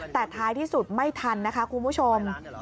แต่ท้ายที่สุดไม่ทันนะคะคุณผู้ชม